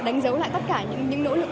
đánh dấu lại tất cả những nỗ lực